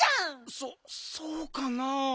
そっそうかなあ。